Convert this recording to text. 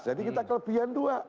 jadi kita kelebihan dua